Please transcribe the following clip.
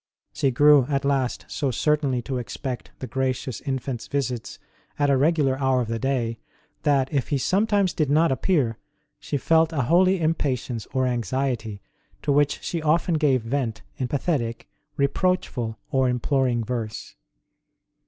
She grew at last so certainly to expect the gracious Infant s visits at a regular hour of the day that, if He sometimes did not appear, she felt a holy impatience or anxiety, to which she often gave vent in pathetic, reproachful, or imploring verse.